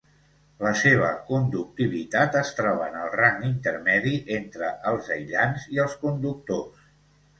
La seva conductivitat es troba en el rang intermedi entre els aïllants i els conductors.